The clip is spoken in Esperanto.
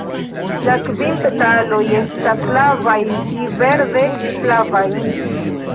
La kvin petaloj estas flavaj ĝi verde-flavaj.